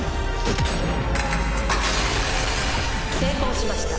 成功しました。